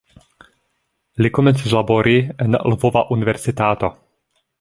Li komencis labori en "Lvova Universitato".